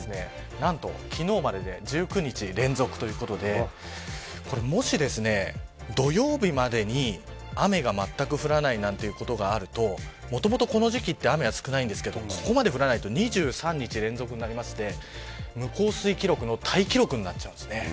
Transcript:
なんと昨日までで１９日連続ということでもし、土曜日までに雨がまったく降らないなんていうことがあるともともと、この時期は雨が少ないんですけどここまで降らないと２３日連続になって無降水記録のタイ記録になっちゃうんです。